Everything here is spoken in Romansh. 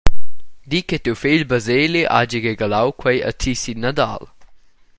Di che tiu fegl Baseli hagi regalau quel a ti sin Nadal.»